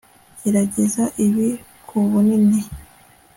Gerageza ibi kubunini